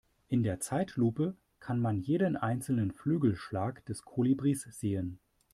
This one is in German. In der Zeitlupe kann man jeden einzelnen Flügelschlag des Kolibris sehen.